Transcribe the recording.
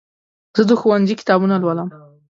زه د ښوونځي کتابونه لولم.